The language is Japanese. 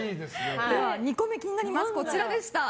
２個目、気になりますがこちら。